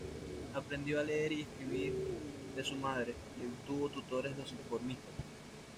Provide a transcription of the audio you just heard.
Aprendió a leer y escribir de su madre; y, tuvo tutores docentes por Mr.